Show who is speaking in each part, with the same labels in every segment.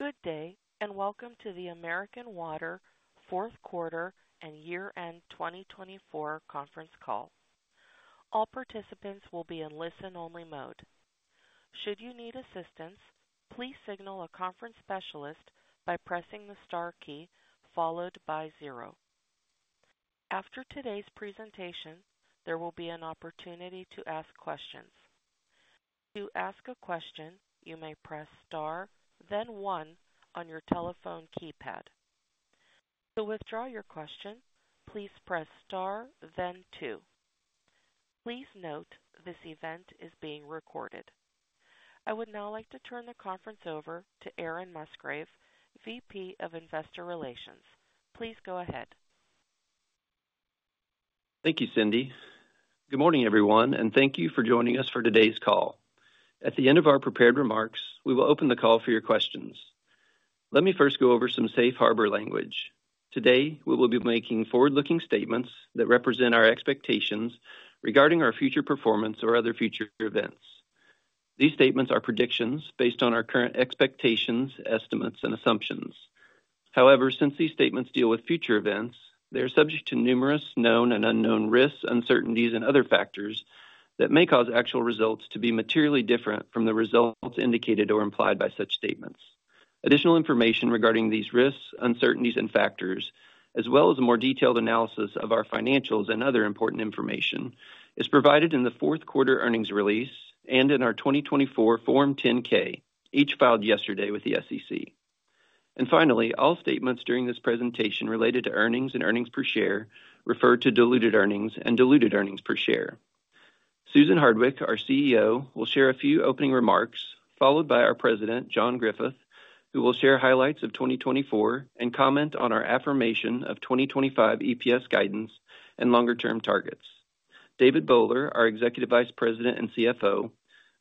Speaker 1: Good day and welcome to the American Water Fourth Quarter and Year End 2024 conference call. All participants will be in listen-only mode. Should you need assistance, please signal a conference specialist by pressing the star key followed by zero. After today's presentation, there will be an opportunity to ask questions. To ask a question, you may press star, then one on your telephone keypad. To withdraw your question, please press star, then two. Please note this event is being recorded. I would now like to turn the conference over to Aaron Musgrave, VP of Investor Relations. Please go ahead.
Speaker 2: Thank you, Cindy. Good morning, everyone, and thank you for joining us for today's call. At the end of our prepared remarks, we will open the call for your questions. Let me first go over some safe harbor language. Today, we will be making forward-looking statements that represent our expectations regarding our future performance or other future events. These statements are predictions based on our current expectations, estimates, and assumptions. However, since these statements deal with future events, they are subject to numerous known and unknown risks, uncertainties, and other factors that may cause actual results to be materially different from the results indicated or implied by such statements. Additional information regarding these risks, uncertainties, and factors, as well as a more detailed analysis of our financials and other important information, is provided in the fourth quarter earnings release and in our 2024 Form 10-K, each filed yesterday with the SEC, and finally, all statements during this presentation related to earnings and earnings per share refer to diluted earnings and diluted earnings per share. Susan Hardwick, our CEO, will share a few opening remarks, followed by our President, John Griffith, who will share highlights of 2024 and comment on our affirmation of 2025 EPS guidance and longer-term targets. David Bowler, our Executive Vice President and CFO,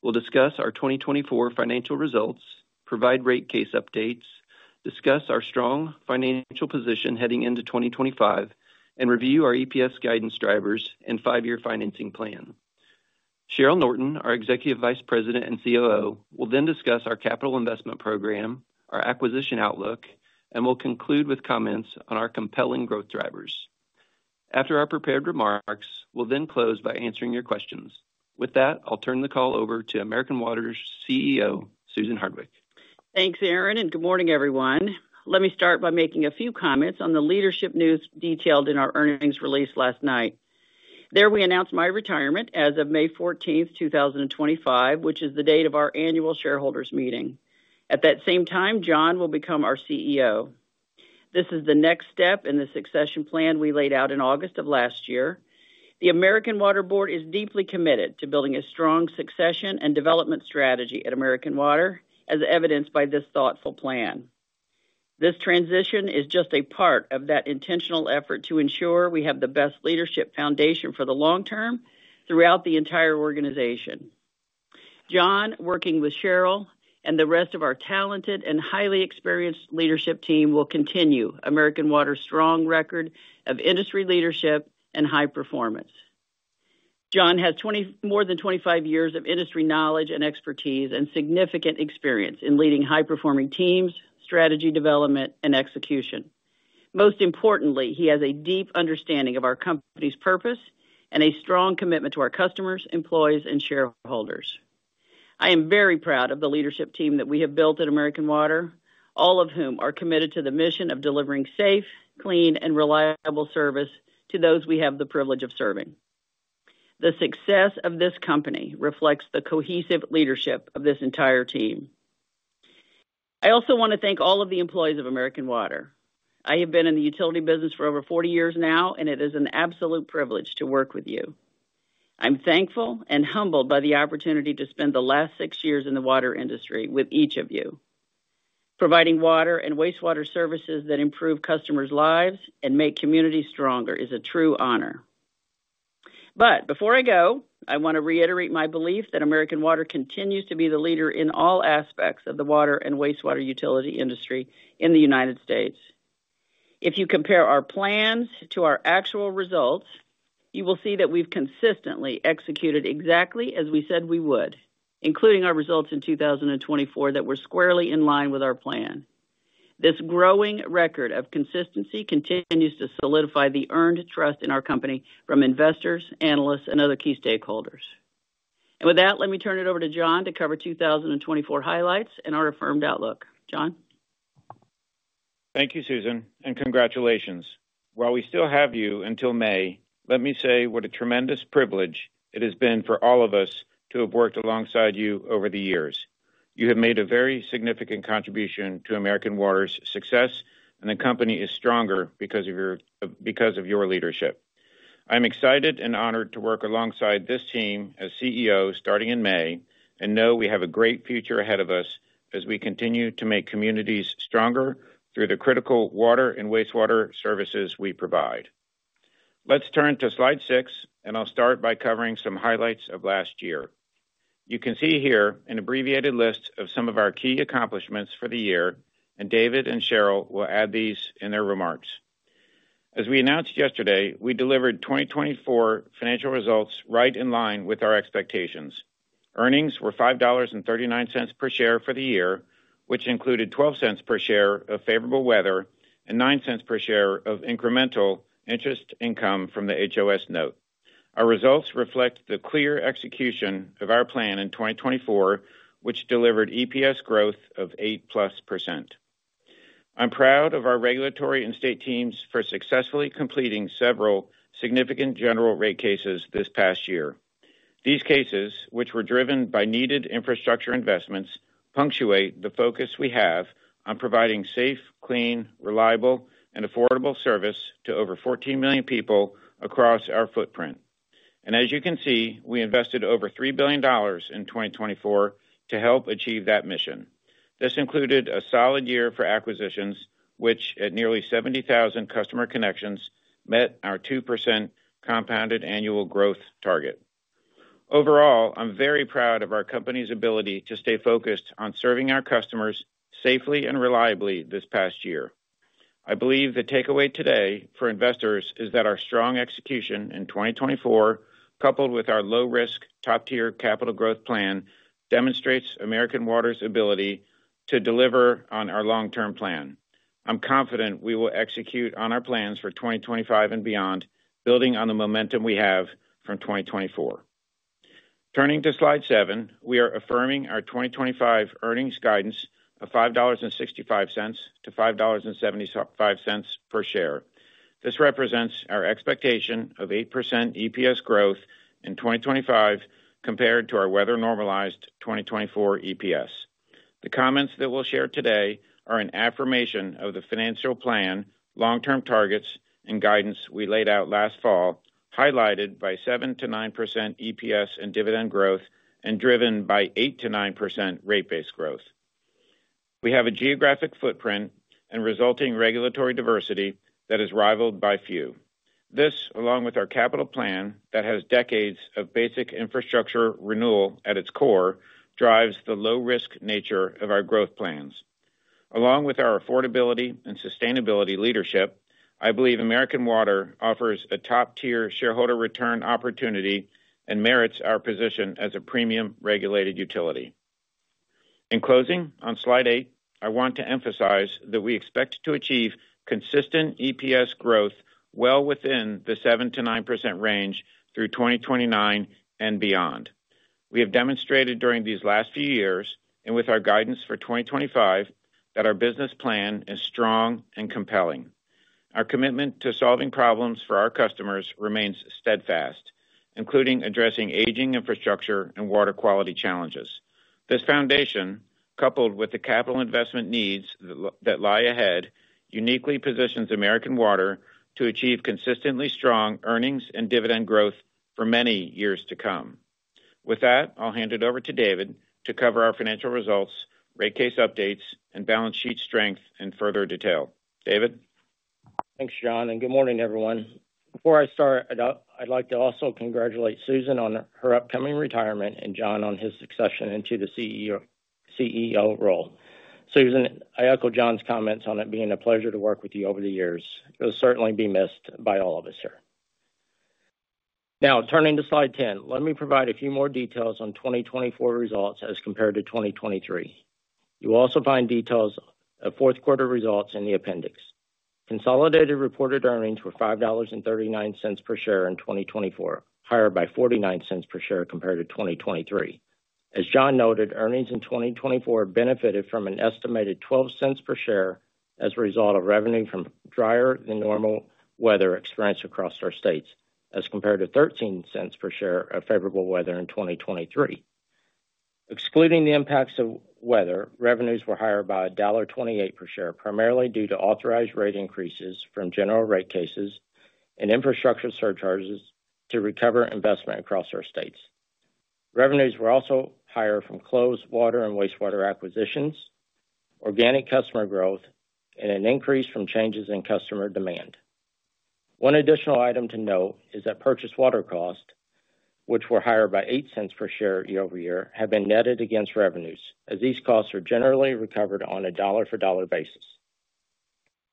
Speaker 2: will discuss our 2024 financial results, provide rate case updates, discuss our strong financial position heading into 2025, and review our EPS guidance drivers and five-year financing plan. Cheryl Norton, our Executive Vice President and COO, will then discuss our capital investment program, our acquisition outlook, and will conclude with comments on our compelling growth drivers. After our prepared remarks, we'll then close by answering your questions. With that, I'll turn the call over to American Water's CEO, Susan Hardwick.
Speaker 3: Thanks, Aaron, and good morning, everyone. Let me start by making a few comments on the leadership news detailed in our earnings release last night. There we announced my retirement as of May 14th, 2025, which is the date of our annual shareholders meeting. At that same time, John will become our CEO. This is the next step in the succession plan we laid out in August of last year. The American Water Board is deeply committed to building a strong succession and development strategy at American Water, as evidenced by this thoughtful plan. This transition is just a part of that intentional effort to ensure we have the best leadership foundation for the long term throughout the entire organization. John, working with Cheryl and the rest of our talented and highly experienced leadership team, will continue American Water's strong record of industry leadership and high performance. John has more than 25 years of industry knowledge and expertise and significant experience in leading high-performing teams, strategy development, and execution. Most importantly, he has a deep understanding of our company's purpose and a strong commitment to our customers, employees, and shareholders. I am very proud of the leadership team that we have built at American Water, all of whom are committed to the mission of delivering safe, clean, and reliable service to those we have the privilege of serving. The success of this company reflects the cohesive leadership of this entire team. I also want to thank all of the employees of American Water. I have been in the utility business for over 40 years now, and it is an absolute privilege to work with you. I'm thankful and humbled by the opportunity to spend the last six years in the water industry with each of you. Providing water and wastewater services that improve customers' lives and make communities stronger is a true honor. But before I go, I want to reiterate my belief that American Water continues to be the leader in all aspects of the water and wastewater utility industry in the United States. If you compare our plans to our actual results, you will see that we've consistently executed exactly as we said we would, including our results in 2024 that were squarely in line with our plan. This growing record of consistency continues to solidify the earned trust in our company from investors, analysts, and other key stakeholders. And with that, let me turn it over to John to cover 2024 highlights and our affirmed outlook. John.
Speaker 4: Thank you, Susan, and congratulations. While we still have you until May, let me say what a tremendous privilege it has been for all of us to have worked alongside you over the years. You have made a very significant contribution to American Water's success, and the company is stronger because of your leadership. I'm excited and honored to work alongside this team as CEO starting in May and know we have a great future ahead of us as we continue to make communities stronger through the critical water and wastewater services we provide. Let's turn to slide six, and I'll start by covering some highlights of last year. You can see here an abbreviated list of some of our key accomplishments for the year, and David and Cheryl will add these in their remarks. As we announced yesterday, we delivered 2024 financial results right in line with our expectations. Earnings were $5.39 per share for the year, which included $0.12 per share of favorable weather and $0.09 per share of incremental interest income from the HOS Note. Our results reflect the clear execution of our plan in 2024, which delivered EPS growth of 8%+. I'm proud of our regulatory and state teams for successfully completing several significant general rate cases this past year. These cases, which were driven by needed infrastructure investments, punctuate the focus we have on providing safe, clean, reliable, and affordable service to over 14 million people across our footprint. And as you can see, we invested over $3 billion in 2024 to help achieve that mission. This included a solid year for acquisitions, which, at nearly 70,000 customer connections, met our 2% compounded annual growth target. Overall, I'm very proud of our company's ability to stay focused on serving our customers safely and reliably this past year. I believe the takeaway today for investors is that our strong execution in 2024, coupled with our low-risk, top-tier capital growth plan, demonstrates American Water's ability to deliver on our long-term plan. I'm confident we will execute on our plans for 2025 and beyond, building on the momentum we have from 2024. Turning to slide seven, we are affirming our 2025 earnings guidance of $5.65-$5.75 per share. This represents our expectation of 8% EPS growth in 2025 compared to our weather-normalized 2024 EPS. The comments that we'll share today are an affirmation of the financial plan, long-term targets, and guidance we laid out last fall, highlighted by 7%-9% EPS and dividend growth and driven by 8%-9% rate base growth. We have a geographic footprint and resulting regulatory diversity that is rivaled by few. This, along with our capital plan that has decades of basic infrastructure renewal at its core, drives the low-risk nature of our growth plans. Along with our affordability and sustainability leadership, I believe American Water offers a top-tier shareholder return opportunity and merits our position as a premium regulated utility. In closing, on slide eight, I want to emphasize that we expect to achieve consistent EPS growth well within the 7%-9% range through 2029 and beyond. We have demonstrated during these last few years and with our guidance for 2025 that our business plan is strong and compelling. Our commitment to solving problems for our customers remains steadfast, including addressing aging infrastructure and water quality challenges. This foundation, coupled with the capital investment needs that lie ahead, uniquely positions American Water to achieve consistently strong earnings and dividend growth for many years to come. With that, I'll hand it over to David to cover our financial results, rate case updates, and balance sheet strength in further detail. David.
Speaker 5: Thanks, John, and good morning, everyone. Before I start, I'd like to also congratulate Susan on her upcoming retirement and John on his succession into the CEO role. Susan, I echo John's comments on it being a pleasure to work with you over the years. It'll certainly be missed by all of us here. Now, turning to slide 10, let me provide a few more details on 2024 results as compared to 2023. You will also find details of fourth quarter results in the appendix. Consolidated reported earnings were $5.39 per share in 2024, higher by $0.49 per share compared to 2023. As John noted, earnings in 2024 benefited from an estimated $0.12 per share as a result of revenue from drier than normal weather experienced across our states, as compared to $0.13 per share of favorable weather in 2023. Excluding the impacts of weather, revenues were higher by $1.28 per share, primarily due to authorized rate increases from general rate cases and infrastructure surcharges to recover investment across our states. Revenues were also higher from closed water and wastewater acquisitions, organic customer growth, and an increase from changes in customer demand. One additional item to note is that purchased water costs, which were higher by $0.08 per share year-over-year, have been netted against revenues, as these costs are generally recovered on a dollar-for-dollar basis.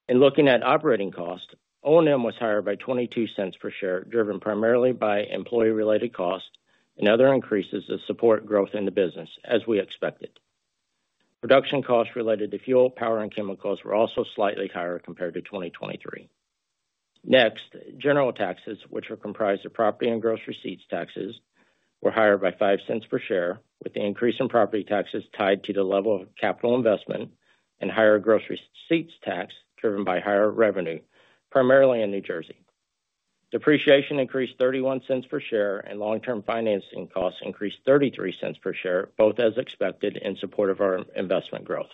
Speaker 5: In looking at operating costs, O&M was higher by $0.22 per share, driven primarily by employee-related costs and other increases of support growth in the business, as we expected. Production costs related to fuel, power, and chemicals were also slightly higher compared to 2023. Next, general taxes, which are comprised of property and gross receipts taxes, were higher by $0.05 per share, with the increase in property taxes tied to the level of capital investment and higher gross receipts tax driven by higher revenue, primarily in New Jersey. Depreciation increased $0.31 per share, and long-term financing costs increased $0.33 per share, both as expected in support of our investment growth.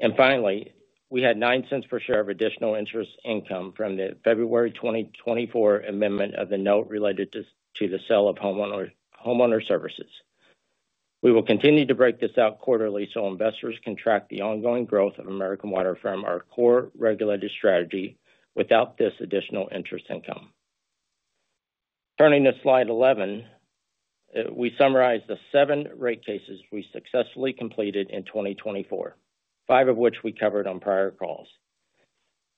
Speaker 5: And finally, we had $0.09 per share of additional interest income from the February 2024 amendment of the note related to the sale of Homeowner Services. We will continue to break this out quarterly so investors can track the ongoing growth of American Water from our core regulated strategy without this additional interest income. Turning to slide 11, we summarize the seven rate cases we successfully completed in 2024, five of which we covered on prior calls.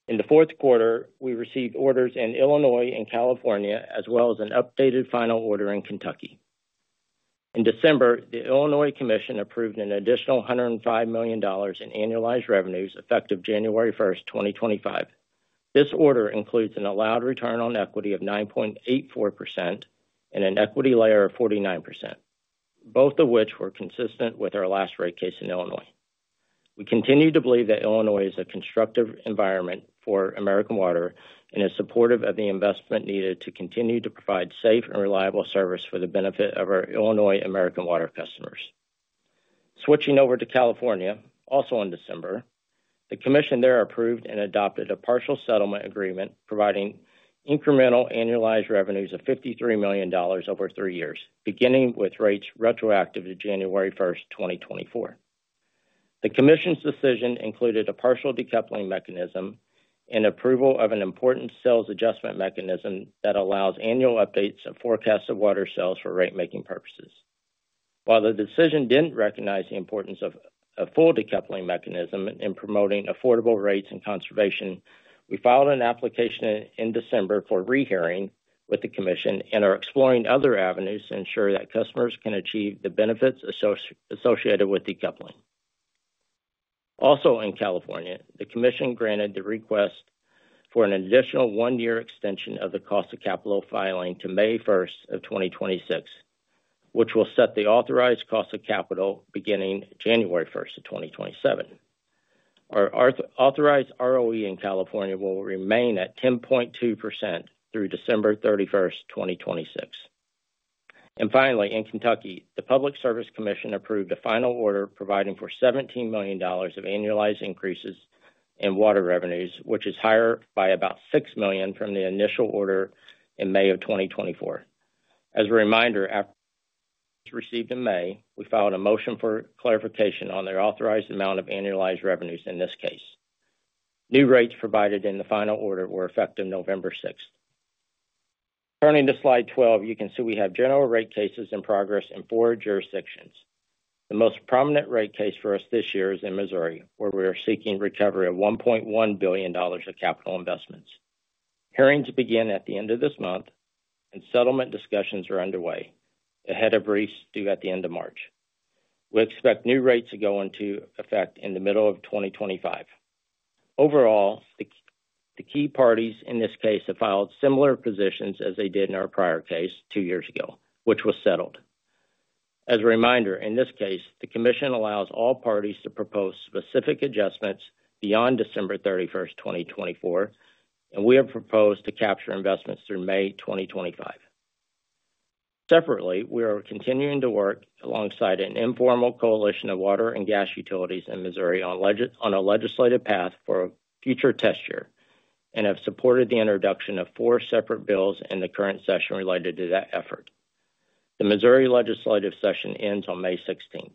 Speaker 5: In the fourth quarter, we received orders in Illinois and California, as well as an updated final order in Kentucky. In December, the Illinois Commission approved an additional $105 million in annualized revenues effective January 1st, 2025. This order includes an allowed return on equity of 9.84% and an equity layer of 49%, both of which were consistent with our last rate case in Illinois. We continue to believe that Illinois is a constructive environment for American Water and is supportive of the investment needed to continue to provide safe and reliable service for the benefit of our Illinois American Water customers. Switching over to California, also in December, the Commission there approved and adopted a partial settlement agreement providing incremental annualized revenues of $53 million over three years, beginning with rates retroactive to January 1st, 2024. The Commission's decision included a partial decoupling mechanism and approval of an important sales adjustment mechanism that allows annual updates of forecasts of water sales for rate-making purposes. While the decision didn't recognize the importance of a full decoupling mechanism in promoting affordable rates and conservation, we filed an application in December for rehearing with the Commission and are exploring other avenues to ensure that customers can achieve the benefits associated with decoupling. Also in California, the Commission granted the request for an additional one-year extension of the cost of capital filing to May 1st of 2026, which will set the authorized cost of capital beginning January 1st of 2027. Our authorized ROE in California will remain at 10.2% through December 31, 2026. And finally, in Kentucky, the Public Service Commission approved a final order providing for $17 million of annualized increases in water revenues, which is higher by about $6 million from the initial order in May of 2024. As a reminder, after receipt in May, we filed a motion for clarification on the authorized amount of annualized revenues in this case. New rates provided in the final order were effective November 6th. Turning to slide 12, you can see we have general rate cases in progress in four jurisdictions. The most prominent rate case for us this year is in Missouri, where we are seeking recovery of $1.1 billion of capital investments. Hearings begin at the end of this month, and settlement discussions are underway. Ahead of briefs due at the end of March, we expect new rates to go into effect in the middle of 2025. Overall, the key parties in this case have filed similar positions as they did in our prior case two years ago, which was settled. As a reminder, in this case, the Commission allows all parties to propose specific adjustments beyond December 31st, 2024, and we have proposed to capture investments through May 2025. Separately, we are continuing to work alongside an informal coalition of water and gas utilities in Missouri on a legislative path for a future test year and have supported the introduction of four separate bills in the current session related to that effort. The Missouri legislative session ends on May 16th.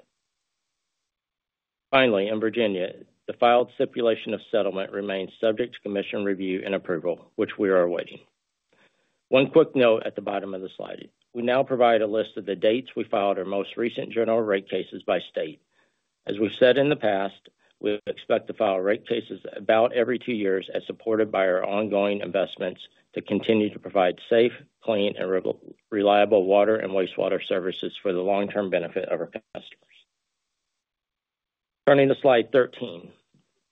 Speaker 5: Finally, in Virginia, the filed stipulation of settlement remains subject to Commission review and approval, which we are awaiting. One quick note at the bottom of the slide. We now provide a list of the dates we filed our most recent general rate cases by state. As we've said in the past, we expect to file rate cases about every two years as supported by our ongoing investments to continue to provide safe, clean, and reliable water and wastewater services for the long-term benefit of our customers. Turning to slide 13,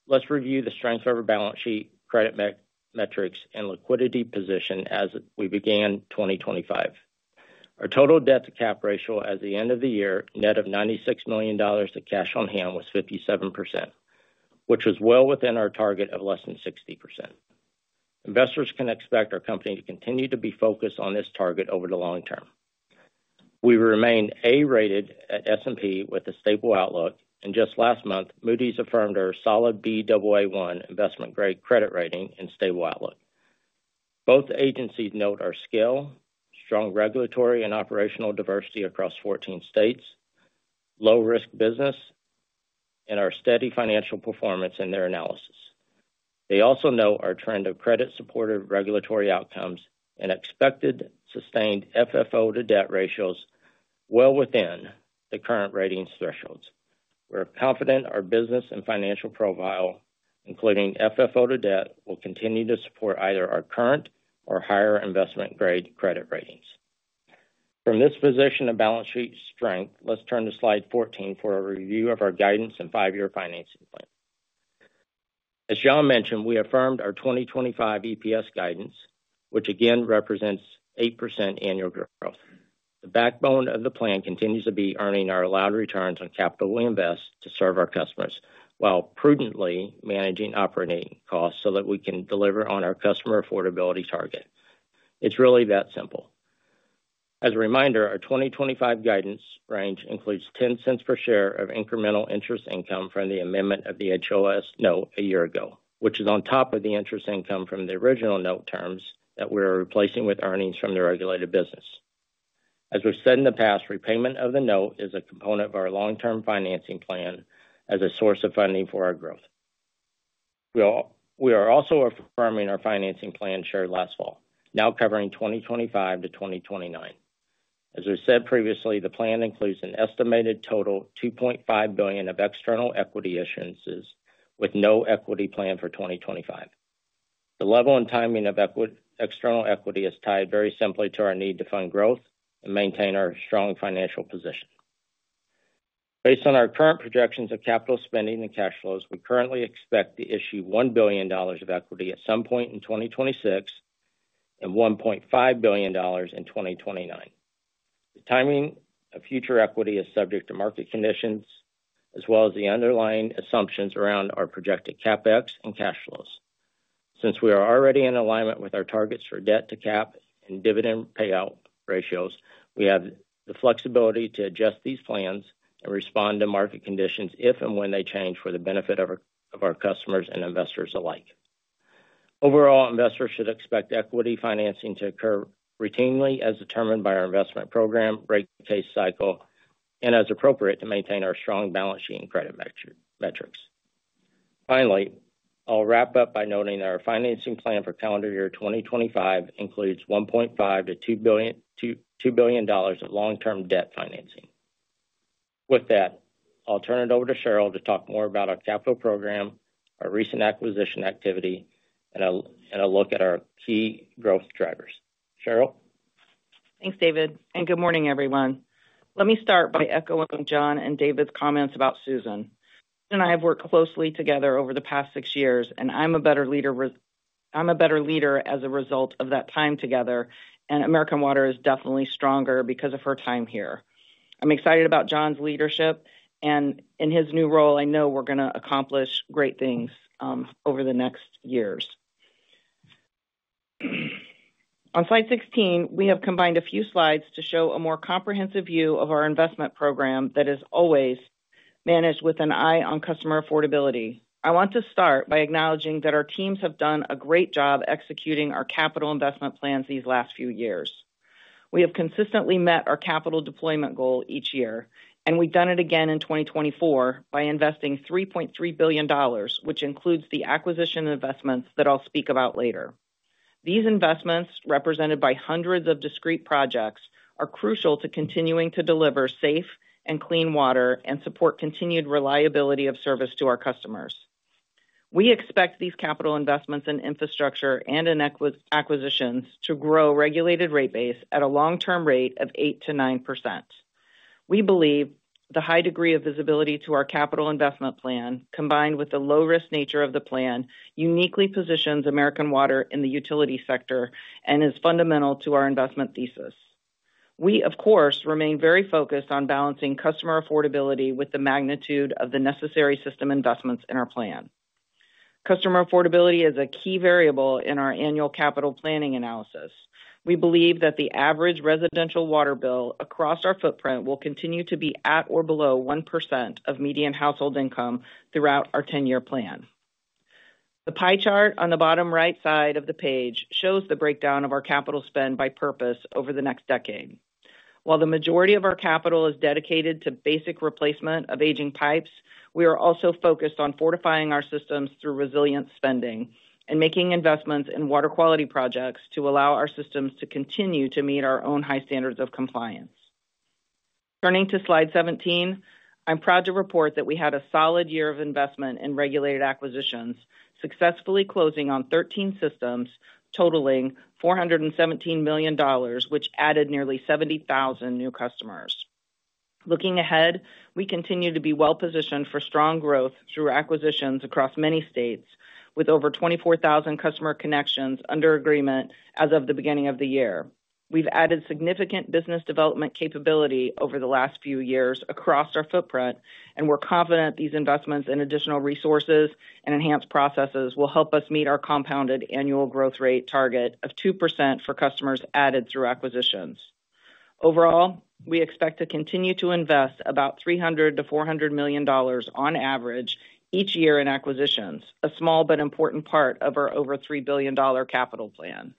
Speaker 5: let's review the strength of our balance sheet, credit metrics, and liquidity position as we began 2025. Our total debt-to-cap ratio at the end of the year, net of $96 million of cash on hand, was 57%, which was well within our target of less than 60%. Investors can expect our company to continue to be focused on this target over the long term. We remain A-rated at S&P with a stable outlook, and just last month, Moody's affirmed our solid Baa1 investment-grade credit rating and stable outlook. Both agencies note our skill, strong regulatory and operational diversity across 14 states, low-risk business, and our steady financial performance in their analysis. They also note our trend of credit-supported regulatory outcomes and expected sustained FFO-to-debt ratios well within the current ratings thresholds. We're confident our business and financial profile, including FFO-to-debt, will continue to support either our current or higher investment-grade credit ratings. From this position of balance sheet strength, let's turn to slide 14 for a review of our guidance and five-year financing plan. As John mentioned, we affirmed our 2025 EPS guidance, which again represents 8% annual growth. The backbone of the plan continues to be earning our allowed returns on capital we invest to serve our customers while prudently managing operating costs so that we can deliver on our customer affordability target. It's really that simple. As a reminder, our 2025 guidance range includes $0.10 per share of incremental interest income from the amendment of the HOS note a year ago, which is on top of the interest income from the original note terms that we are replacing with earnings from the regulated business. As we've said in the past, repayment of the note is a component of our long-term financing plan as a source of funding for our growth. We are also affirming our financing plan shared last fall, now covering 2025 to 2029. As we said previously, the plan includes an estimated total of $2.5 billion of external equity issuances with no equity plan for 2025. The level and timing of external equity is tied very simply to our need to fund growth and maintain our strong financial position. Based on our current projections of capital spending and cash flows, we currently expect to issue $1 billion of equity at some point in 2026 and $1.5 billion in 2029. The timing of future equity is subject to market conditions, as well as the underlying assumptions around our projected CapEx and cash flows. Since we are already in alignment with our targets for debt-to-cap and dividend payout ratios, we have the flexibility to adjust these plans and respond to market conditions if and when they change for the benefit of our customers and investors alike. Overall, investors should expect equity financing to occur routinely as determined by our investment program, rate case cycle, and as appropriate to maintain our strong balance sheet and credit metrics. Finally, I'll wrap up by noting that our financing plan for calendar year 2025 includes $1.5 billion-$2 billion of long-term debt financing. With that, I'll turn it over to Cheryl to talk more about our capital program, our recent acquisition activity, and a look at our key growth drivers. Cheryl?
Speaker 6: Thanks, David. And good morning, everyone. Let me start by echoing John and David's comments about Susan. Susan and I have worked closely together over the past six years, and I'm a better leader as a result of that time together, and American Water is definitely stronger because of her time here. I'm excited about John's leadership, and in his new role, I know we're going to accomplish great things over the next years. On slide 16, we have combined a few slides to show a more comprehensive view of our investment program that is always managed with an eye on customer affordability. I want to start by acknowledging that our teams have done a great job executing our capital investment plans these last few years. We have consistently met our capital deployment goal each year, and we've done it again in 2024 by investing $3.3 billion, which includes the acquisition investments that I'll speak about later. These investments, represented by hundreds of discrete projects, are crucial to continuing to deliver safe and clean water and support continued reliability of service to our customers. We expect these capital investments in infrastructure and acquisitions to grow regulated rate base at a long-term rate of 8%-9%. We believe the high degree of visibility to our capital investment plan, combined with the low-risk nature of the plan, uniquely positions American Water in the utility sector and is fundamental to our investment thesis. We, of course, remain very focused on balancing customer affordability with the magnitude of the necessary system investments in our plan. Customer affordability is a key variable in our annual capital planning analysis. We believe that the average residential water bill across our footprint will continue to be at or below 1% of median household income throughout our 10-year plan. The pie chart on the bottom right side of the page shows the breakdown of our capital spend by purpose over the next decade. While the majority of our capital is dedicated to basic replacement of aging pipes, we are also focused on fortifying our systems through resilient spending and making investments in water quality projects to allow our systems to continue to meet our own high standards of compliance. Turning to slide 17, I'm proud to report that we had a solid year of investment in regulated acquisitions, successfully closing on 13 systems totaling $417 million, which added nearly 70,000 new customers. Looking ahead, we continue to be well-positioned for strong growth through acquisitions across many states, with over 24,000 customer connections under agreement as of the beginning of the year. We've added significant business development capability over the last few years across our footprint, and we're confident these investments in additional resources and enhanced processes will help us meet our compounded annual growth rate target of 2% for customers added through acquisitions. Overall, we expect to continue to invest about $300 million-$400 million on average each year in acquisitions, a small but important part of our over $3 billion capital plan.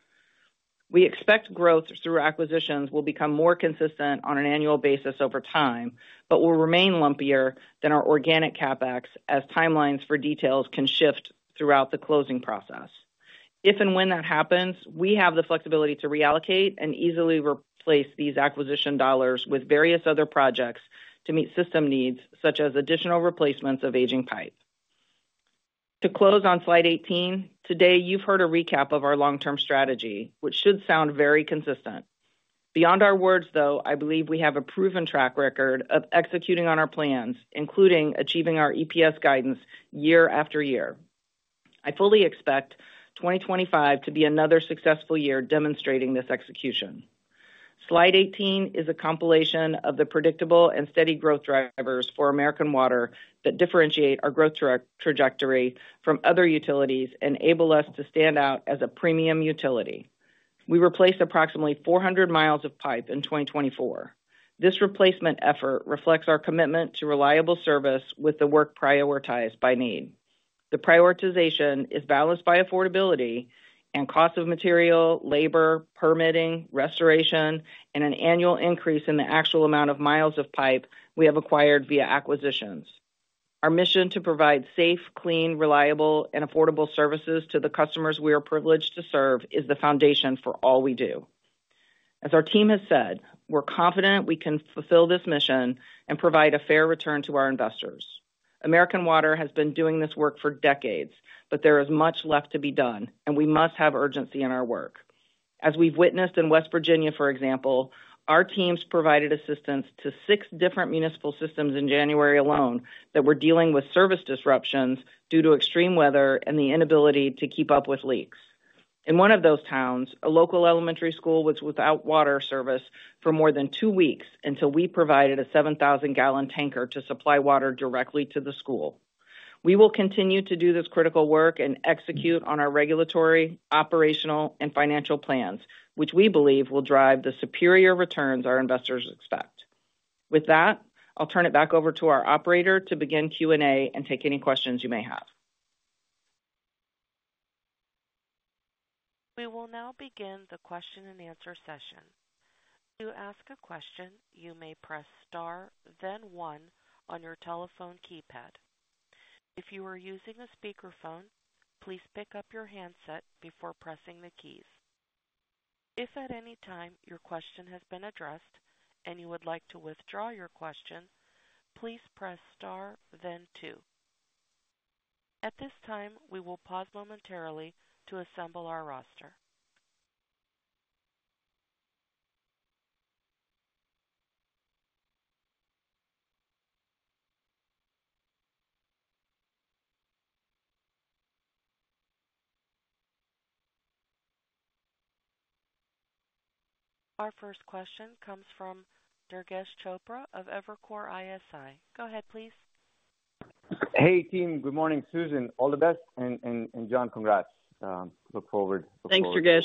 Speaker 6: We expect growth through acquisitions will become more consistent on an annual basis over time, but will remain lumpier than our organic CapEx as timelines for details can shift throughout the closing process. If and when that happens, we have the flexibility to reallocate and easily replace these acquisition dollars with various other projects to meet system needs, such as additional replacements of aging pipe. To close on slide 18, today you've heard a recap of our long-term strategy, which should sound very consistent. Beyond our words, though, I believe we have a proven track record of executing on our plans, including achieving our EPS guidance year after year. I fully expect 2025 to be another successful year demonstrating this execution. Slide 18 is a compilation of the predictable and steady growth drivers for American Water that differentiate our growth trajectory from other utilities and enable us to stand out as a premium utility. We replaced approximately 400 miles of pipe in 2024. This replacement effort reflects our commitment to reliable service with the work prioritized by need. The prioritization is balanced by affordability and cost of material, labor, permitting, restoration, and an annual increase in the actual amount of miles of pipe we have acquired via acquisitions. Our mission to provide safe, clean, reliable, and affordable services to the customers we are privileged to serve is the foundation for all we do. As our team has said, we're confident we can fulfill this mission and provide a fair return to our investors. American Water has been doing this work for decades, but there is much left to be done, and we must have urgency in our work. As we've witnessed in West Virginia, for example, our teams provided assistance to six different municipal systems in January alone that were dealing with service disruptions due to extreme weather and the inability to keep up with leaks. In one of those towns, a local elementary school was without water service for more than two weeks until we provided a 7,000-gallon tanker to supply water directly to the school. We will continue to do this critical work and execute on our regulatory, operational, and financial plans, which we believe will drive the superior returns our investors expect. With that, I'll turn it back over to our operator to begin Q&A and take any questions you may have. We will now begin the question-and-answer session.
Speaker 1: To ask a question, you may press star, then one on your telephone keypad. If you are using a speakerphone, please pick up your handset before pressing the keys. If at any time your question has been addressed and you would like to withdraw your question, please press star, then two. At this time, we will pause momentarily to assemble our roster. Our first question comes from Durgesh Chopra of Evercore ISI. Go ahead, please.
Speaker 7: Hey, team. Good morning, Susan. All the best, and John, congrats. Look forward.
Speaker 3: Thanks, Durgesh.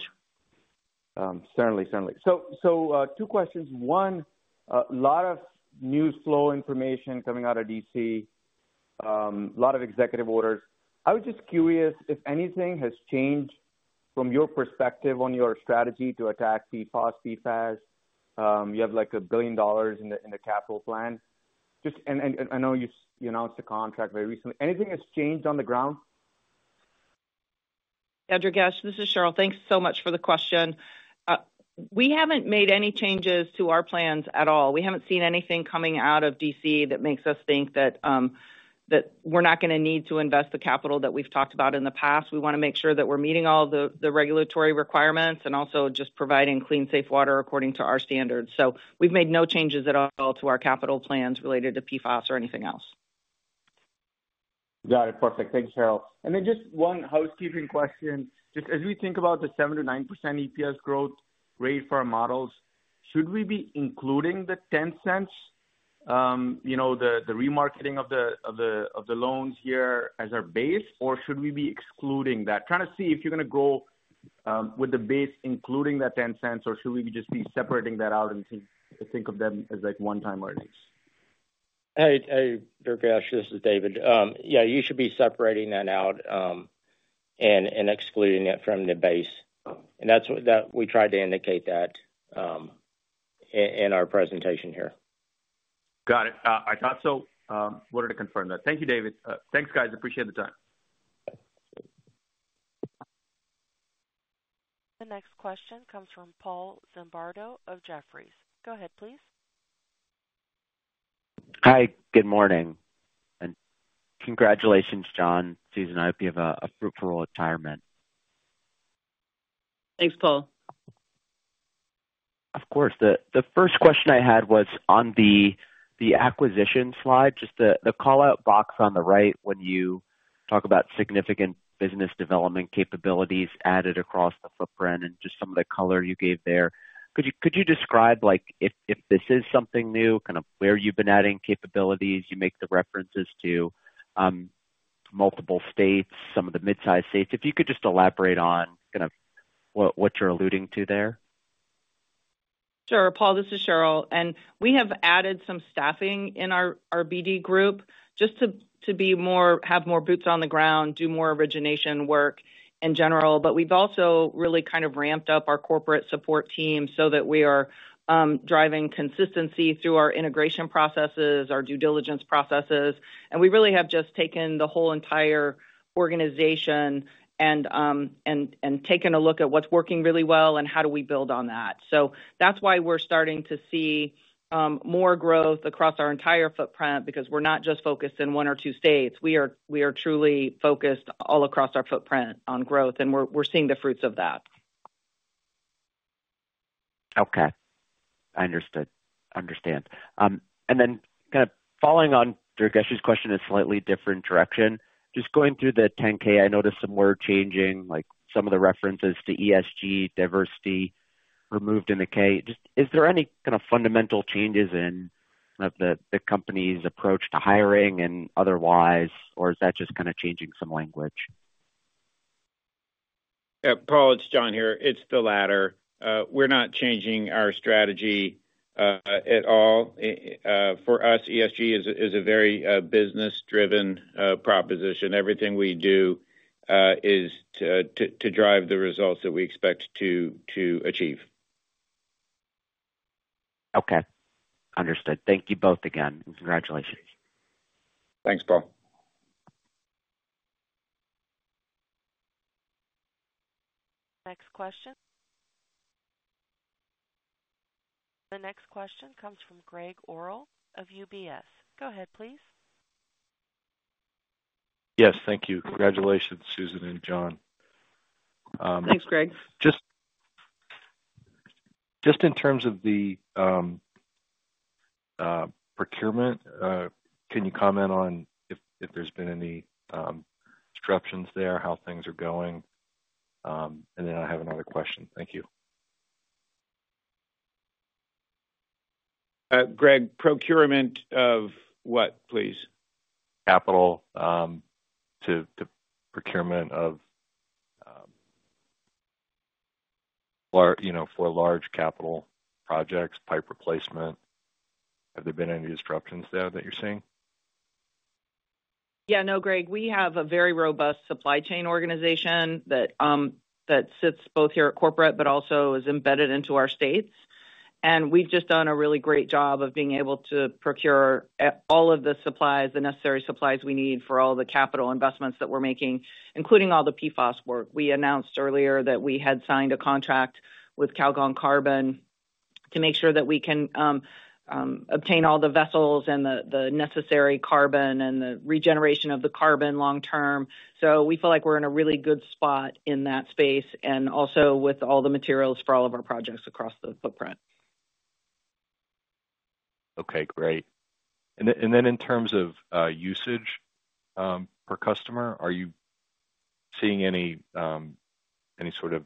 Speaker 7: Certainly, certainly. So two questions. One, a lot of news flow information coming out of D.C., a lot of executive orders. I was just curious if anything has changed from your perspective on your strategy to attack PFAS? You have like $1 billion in the capital plan. And I know you announced a contract very recently. Anything has changed on the ground?
Speaker 6: Yeah, Durgesh, this is Cheryl. Thanks so much for the question. We haven't made any changes to our plans at all. We haven't seen anything coming out of D.C. that makes us think that we're not going to need to invest the capital that we've talked about in the past. We want to make sure that we're meeting all the regulatory requirements and also just providing clean, safe water according to our standards. So we've made no changes at all to our capital plans related to PFAS or anything else.
Speaker 7: Got it. Perfect. Thank you, Cheryl. And then just one housekeeping question. Just as we think about the 7%-9% EPS growth rate for our models, should we be including the $0.10, the remarketing of the loans here as our base, or should we be excluding that? Trying to see if you're going to go with the base including that $0.10, or should we just be separating that out and think of them as like one-time earnings?
Speaker 5: Hey, Durgesh, this is David. Yeah, you should be separating that out and excluding it from the base. And that's what we tried to indicate that in our presentation here.
Speaker 7: Got it. I thought so. Wanted to confirm that. Thank you, David. Thanks, guys. Appreciate the time.
Speaker 1: The next question comes from Paul Zimbardo of Jefferies. Go ahead, please.
Speaker 8: Hi, good morning. And congratulations, John, Susan. I hope you have a fruitful retirement.
Speaker 3: Thanks, Paul.
Speaker 8: Of course. The first question I had was on the acquisition slide, just the callout box on the right when you talk about significant business development capabilities added across the footprint and just some of the color you gave there. Could you describe if this is something new, kind of where you've been adding capabilities you make the references to multiple states, some of the mid-sized states? If you could just elaborate on kind of what you're alluding to there.
Speaker 6: Sure. Paul, this is Cheryl. And we have added some staffing in our BD group just to have more boots on the ground, do more origination work in general. But we've also really kind of ramped up our corporate support team so that we are driving consistency through our integration processes, our due diligence processes. And we really have just taken the whole entire organization and taken a look at what's working really well and how do we build on that. So that's why we're starting to see more growth across our entire footprint because we're not just focused in one or two states. We are truly focused all across our footprint on growth, and we're seeing the fruits of that.
Speaker 8: Okay. I understand. And then kind of following on Durgesh's question in a slightly different direction, just going through the 10-K, I noticed some word changing, like some of the references to ESG diversity removed in the K. Is there any kind of fundamental changes in the company's approach to hiring and otherwise, or is that just kind of changing some language?
Speaker 4: Paul, it's John here. It's the latter. We're not changing our strategy at all. For us, ESG is a very business-driven proposition. Everything we do is to drive the results that we expect to achieve.
Speaker 8: Okay. Understood. Thank you both again, and congratulations.
Speaker 4: Thanks, Paul.
Speaker 1: Next question. The next question comes from Gregg Orrill of UBS. Go ahead, please.
Speaker 9: Yes, thank you. Congratulations, Susan and John.
Speaker 3: Thanks, Gregg.
Speaker 9: Just in terms of the procurement, can you comment on if there's been any disruptions there, how things are going? And then I have another question. Thank you.
Speaker 4: Gregg, procurement of what, please?
Speaker 9: Capital to procurement of large capital projects, pipe replacement. Have there been any disruptions there that you're seeing?
Speaker 6: Yeah. No, Gregg. We have a very robust supply chain organization that sits both here at corporate but also is embedded into our states. And we've just done a really great job of being able to procure all of the necessary supplies we need for all the capital investments that we're making, including all the PFAS work. We announced earlier that we had signed a contract with Calgon Carbon to make sure that we can obtain all the vessels and the necessary carbon and the regeneration of the carbon long-term. So we feel like we're in a really good spot in that space and also with all the materials for all of our projects across the footprint.
Speaker 9: Okay, great. And then in terms of usage per customer, are you seeing any sort of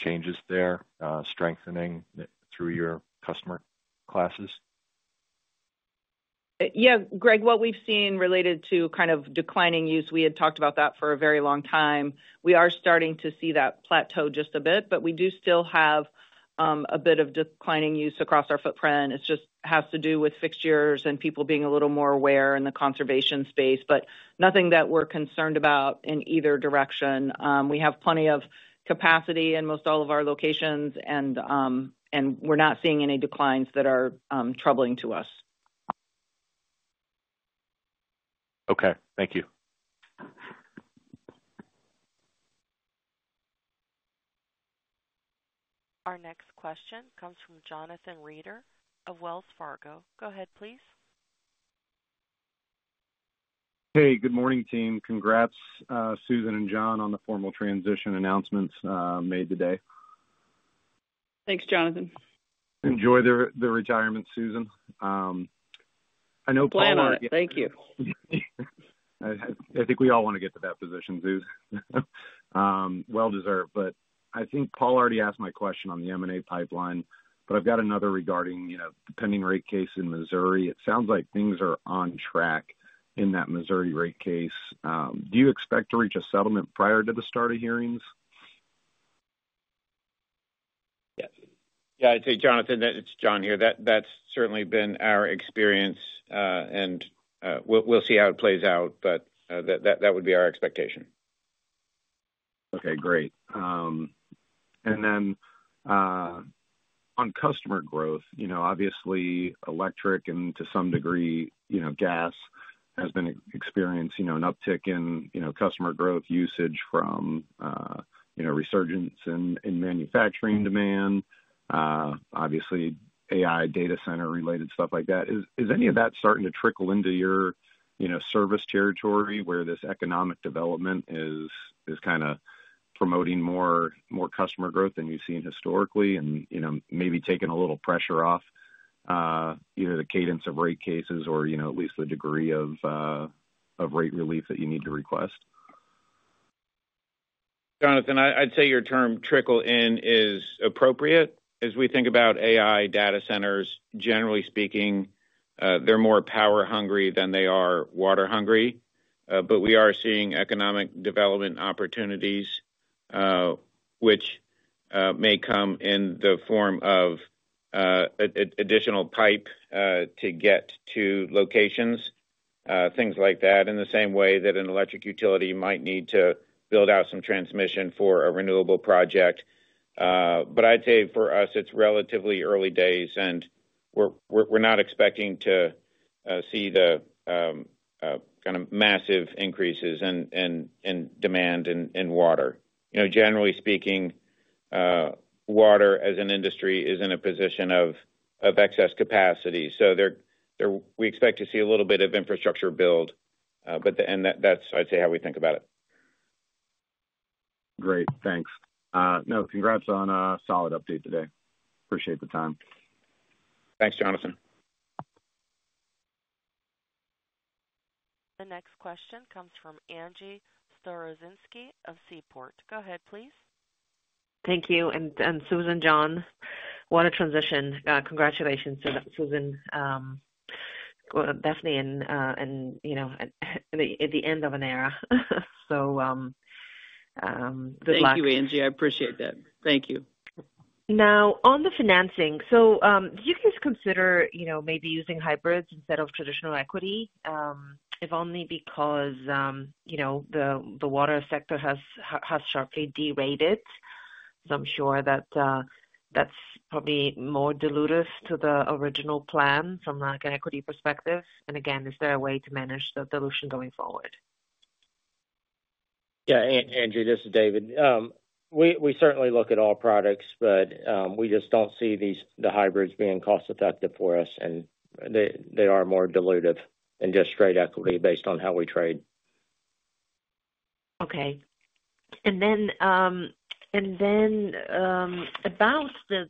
Speaker 9: changes there, strengthening through your customer classes?
Speaker 6: Yeah, Greg, what we've seen related to kind of declining use, we had talked about that for a very long time. We are starting to see that plateau just a bit, but we do still have a bit of declining use across our footprint. It just has to do with fixtures and people being a little more aware in the conservation space, but nothing that we're concerned about in either direction. We have plenty of capacity in most all of our locations, and we're not seeing any declines that are troubling to us.
Speaker 9: Okay. Thank you.
Speaker 1: Our next question comes from Jonathan Reeder of Wells Fargo. Go ahead, please.
Speaker 10: Hey, good morning, team. Congrats, Susan and John, on the formal transition announcements made today.
Speaker 3: Thanks, Jonathan.
Speaker 10: Enjoy the retirement, Susan. I know Paul already—
Speaker 3: Plan on it. Thank you.
Speaker 10: I think we all want to get to that position, Susan. Well-deserved, but I think Paul already asked my question on the M&A pipeline, but I've got another regarding the pending rate case in Missouri. It sounds like things are on track in that Missouri rate case. Do you expect to reach a settlement prior to the start of hearings?
Speaker 4: Yes. Yeah, I'd say, Jonathan, it's John here. That's certainly been our experience, and we'll see how it plays out, but that would be our expectation.
Speaker 10: Okay, great. Then on customer growth, obviously, electric and to some degree, gas has been experiencing an uptick in customer growth usage from resurgence in manufacturing demand. Obviously, AI data center-related stuff like that. Is any of that starting to trickle into your service territory where this economic development is kind of promoting more customer growth than you've seen historically and maybe taking a little pressure off either the cadence of rate cases or at least the degree of rate relief that you need to request?
Speaker 4: Jonathan, I'd say your term trickle-in is appropriate. As we think about AI data centers, generally speaking, they're more power-hungry than they are water-hungry. But we are seeing economic development opportunities, which may come in the form of additional pipe to get to locations, things like that, in the same way that an electric utility might need to build out some transmission for a renewable project. But I'd say for us, it's relatively early days, and we're not expecting to see the kind of massive increases in demand in water. Generally speaking, water as an industry is in a position of excess capacity. So we expect to see a little bit of infrastructure build, and that's, I'd say, how we think about it.
Speaker 10: Great. Thanks. No, congrats on a solid update today. Appreciate the time.
Speaker 4: Thanks, Jonathan.
Speaker 1: The next question comes from Angie Storozynski of Seaport. Go ahead, please.
Speaker 11: Thank you. And Susan, John, leadership transition. Congratulations, Susan, on the end of an era. So good luck.
Speaker 3: Thank you, Angie. I appreciate that. Thank you.
Speaker 11: Now, on the financing, so do you guys consider maybe using hybrids instead of traditional equity? If only because the water sector has sharply derated. So I'm sure that that's probably more diluted to the original plan from an equity perspective. And again, is there a way to manage the dilution going forward?
Speaker 5: Yeah. Angie, this is David. We certainly look at all products, but we just don't see the hybrids being cost-effective for us, and they are more dilutive than just straight equity based on how we trade.
Speaker 11: Okay. And then about the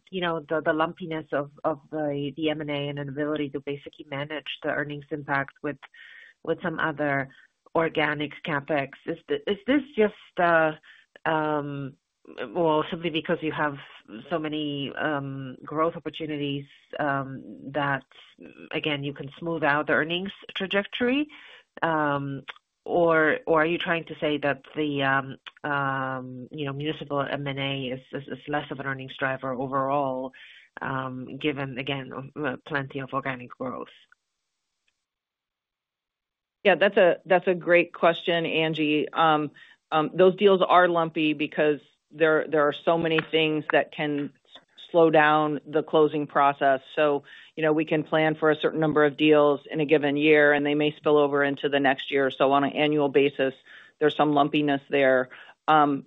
Speaker 11: lumpiness of the M&A and inability to basically manage the earnings impact with some other organic CapEx, is this just simply because you have so many growth opportunities that, again, you can smooth out the earnings trajectory? Or are you trying to say that the municipal M&A is less of an earnings driver overall, given, again, plenty of organic growth?
Speaker 6: Yeah, that's a great question, Angie. Those deals are lumpy because there are so many things that can slow down the closing process. So we can plan for a certain number of deals in a given year, and they may spill over into the next year. So on an annual basis, there's some lumpiness there.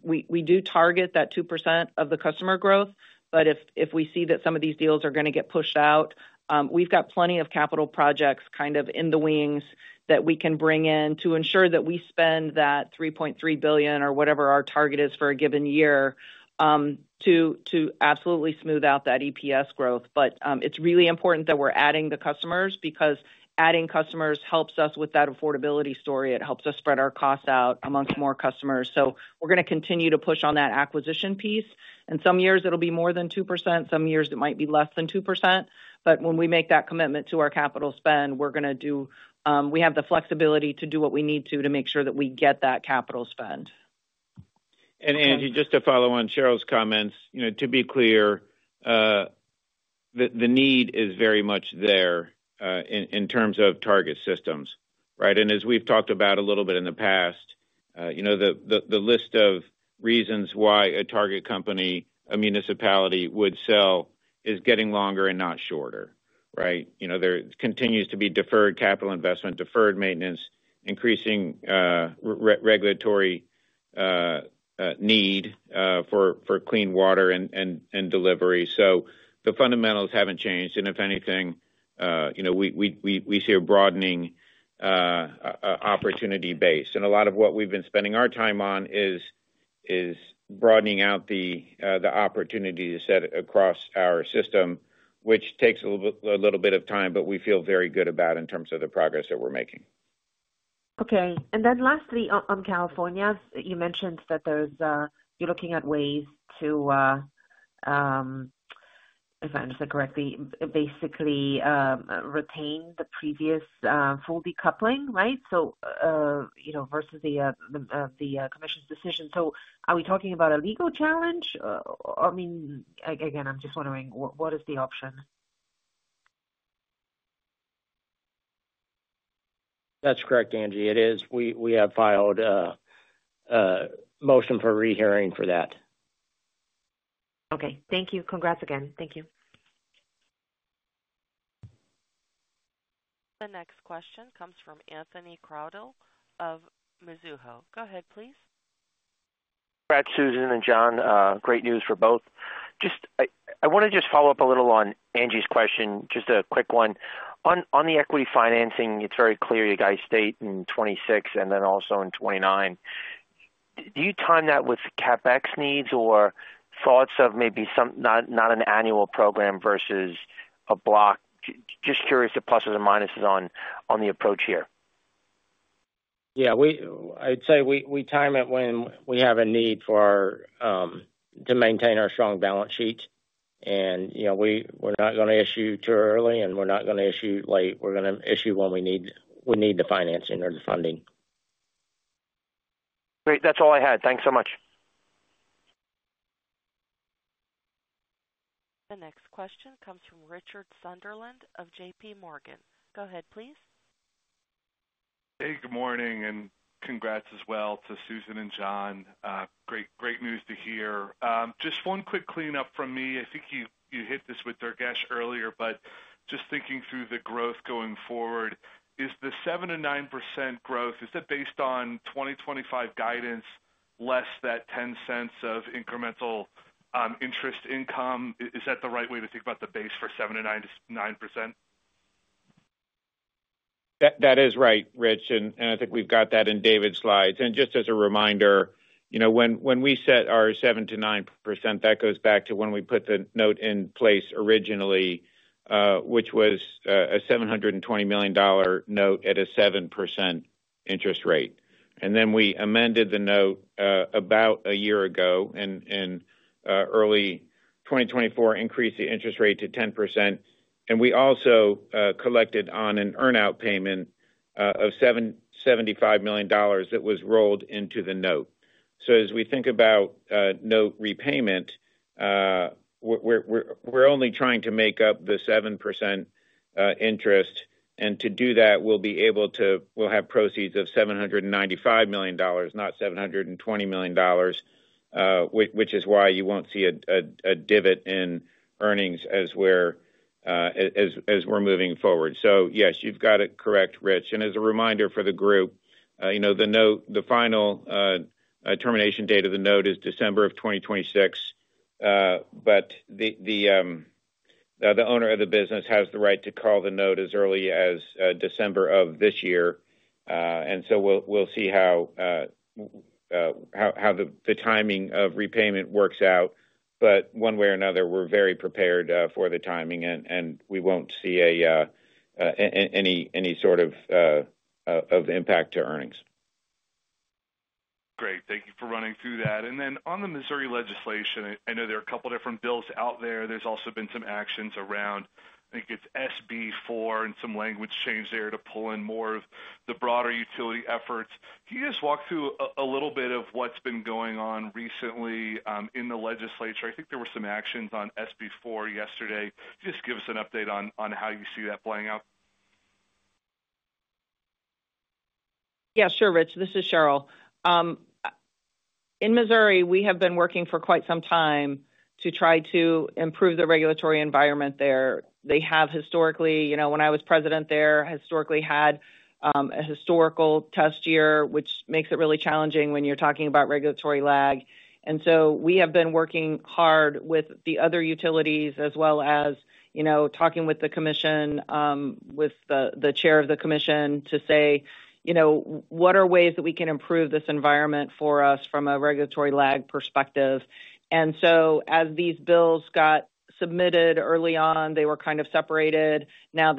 Speaker 6: We do target that 2% of the customer growth, but if we see that some of these deals are going to get pushed out, we've got plenty of capital projects kind of in the wings that we can bring in to ensure that we spend that $3.3 billion or whatever our target is for a given year to absolutely smooth out that EPS growth. But it's really important that we're adding the customers because adding customers helps us with that affordability story. It helps us spread our costs out amongst more customers. So we're going to continue to push on that acquisition piece. In some years, it'll be more than 2%. Some years, it might be less than 2%. But when we make that commitment to our capital spend, we're going to do. We have the flexibility to do what we need to to make sure that we get that capital spend.
Speaker 4: And Angie, just to follow on Cheryl's comments, to be clear, the need is very much there in terms of target systems, right? And as we've talked about a little bit in the past, the list of reasons why a target company, a municipality, would sell is getting longer and not shorter, right? There continues to be deferred capital investment, deferred maintenance, increasing regulatory need for clean water and delivery, so the fundamentals haven't changed. And if anything, we see a broadening opportunity base, and a lot of what we've been spending our time on is broadening out the opportunity to set across our system, which takes a little bit of time, but we feel very good about in terms of the progress that we're making.
Speaker 11: Okay, and then lastly, on California, you mentioned that you're looking at ways to, if I understood correctly, basically retain the previous full decoupling, right? So versus the commission's decision, so are we talking about a legal challenge? I mean, again, I'm just wondering, what is the option?
Speaker 5: That's correct, Angie. It is. We have filed a motion for rehearing for that.
Speaker 11: Okay. Thank you. Congrats again. Thank you.
Speaker 1: The next question comes from Anthony Crowdell of Mizuho. Go ahead, please.
Speaker 12: Congrats, Susan and John. Great news for both. I want to just follow up a little on Angie's question, just a quick one. On the equity financing, it's very clear you guys state in 2026 and then also in 2029. Do you time that with CapEx needs or thoughts of maybe not an annual program versus a block? Just curious of pluses and minuses on the approach here.
Speaker 5: Yeah. I'd say we time it when we have a need to maintain our strong balance sheet. And we're not going to issue too early, and we're not going to issue late. We're going to issue when we need the financing or the funding.
Speaker 12: Great. That's all I had. Thanks so much.
Speaker 1: The next question comes from Richard Sunderland of JPMorgan. Go ahead, please.
Speaker 13: Hey, good morning, and congrats as well to Susan and John. Great news to hear. Just one quick cleanup from me. I think you hit this with Durgesh earlier, but just thinking through the growth going forward, is the 7%-9% growth, is that based on 2025 guidance, less than $0.10 of incremental interest income? Is that the right way to think about the base for 7%-9%?
Speaker 4: That is right, Rich. And I think we've got that in David's slides. And just as a reminder, when we set our 7%-9%, that goes back to when we put the note in place originally, which was a $720 million note at a 7% interest rate. And then we amended the note about a year ago in early 2024, increased the interest rate to 10%. We also collected on an earnout payment of $75 million that was rolled into the note. So as we think about note repayment, we're only trying to make up the 7% interest. And to do that, we'll have proceeds of $795 million, not $720 million, which is why you won't see a divot in earnings as we're moving forward. So yes, you've got it correct, Rich. And as a reminder for the group, the final termination date of the note is December of 2026, but the owner of the business has the right to call the note as early as December of this year. And so we'll see how the timing of repayment works out. But one way or another, we're very prepared for the timing, and we won't see any sort of impact to earnings.
Speaker 13: Great. Thank you for running through that. And then on the Missouri legislation, I know there are a couple of different bills out there. There's also been some actions around, I think it's SB 4 and some language change there to pull in more of the broader utility efforts. Can you just walk through a little bit of what's been going on recently in the legislature? I think there were some actions on SB 4 yesterday. Just give us an update on how you see that playing out.
Speaker 6: Yeah, sure, Rich. This is Cheryl. In Missouri, we have been working for quite some time to try to improve the regulatory environment there. They have historically, when I was president there, had a historical test year, which makes it really challenging when you're talking about regulatory lag. And so we have been working hard with the other utilities as well as talking with the commission, with the chair of the commission to say, "What are ways that we can improve this environment for us from a regulatory lag perspective?" And so as these bills got submitted early on, they were kind of separated. Now,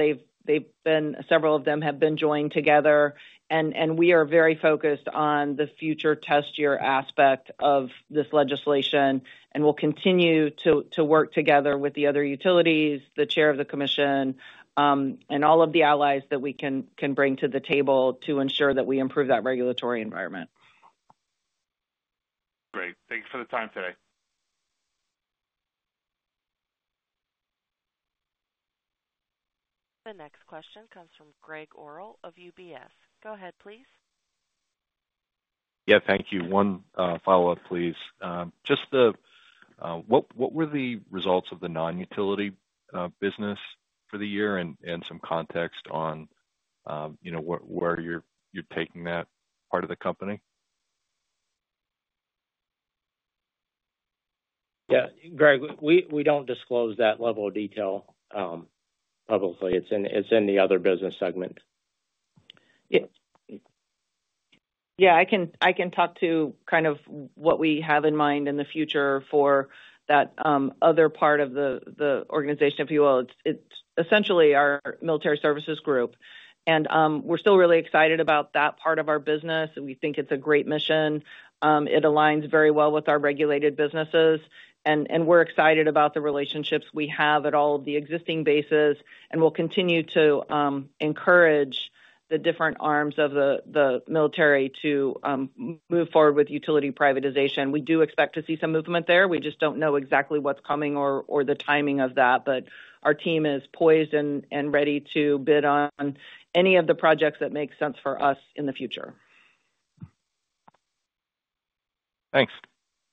Speaker 6: several of them have been joined together. And we are very focused on the future test year aspect of this legislation and will continue to work together with the other utilities, the chair of the commission, and all of the allies that we can bring to the table to ensure that we improve that regulatory environment.
Speaker 13: Great. Thank you for the time today.
Speaker 1: The next question comes from Gregg Orrill of UBS. Go ahead, please.
Speaker 9: Yeah, thank you. One follow-up, please. Just what were the results of the non-utility business for the year and some context on where you're taking that part of the company?
Speaker 5: Yeah. Greg, we don't disclose that level of detail publicly. It's in the other business segment.
Speaker 6: Yeah. I can talk to kind of what we have in mind in the future for that other part of the organization, if you will. It's essentially our Military Services Group. And we're still really excited about that part of our business. We think it's a great mission. It aligns very well with our Regulated Businesses. And we're excited about the relationships we have at all of the existing bases. And we'll continue to encourage the different arms of the military to move forward with utility privatization. We do expect to see some movement there. We just don't know exactly what's coming or the timing of that. But our team is poised and ready to bid on any of the projects that make sense for us in the future.
Speaker 9: Thanks.